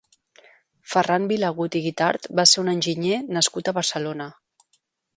Ferran Vilagut i Guitart va ser un enginyer nascut a Barcelona.